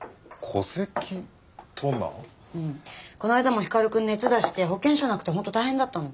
うんこの間も光くん熱出して保険証なくて本当大変だったの。